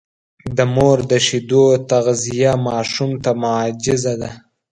د مور د شیدو تغذیه ماشوم ته معجزه ده.